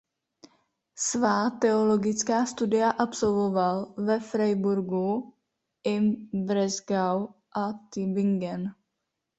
Svá teologická studia absolvoval ve Freiburgu im Breisgau a Tübingen.